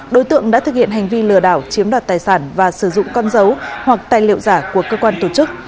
đối tượng đã thực hiện hành vi lừa đảo chiếm đoạt tài sản và sử dụng con dấu hoặc tài liệu giả của cơ quan tổ chức